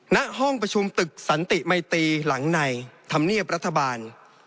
ณห้องประชุมตึกสันติมัยตีหลังในธรรมเนียบรัฐบาล